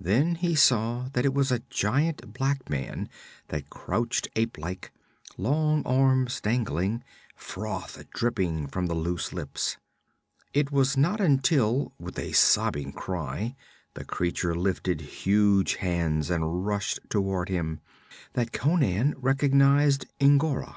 Then he saw that it was a giant black man that crouched ape like, long arms dangling, froth dripping from the loose lips. It was not until, with a sobbing cry, the creature lifted huge hands and rushed towards him, that Conan recognized N'Gora.